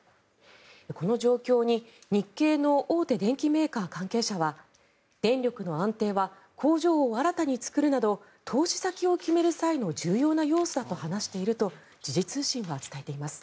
この状況に日系の大手電機メーカー関係者は電力の安定は工場を新たに作るなど投資先を決める際の重要な要素だと話していると時事通信は伝えています。